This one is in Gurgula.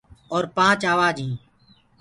اور پآنچ آوآج هينٚ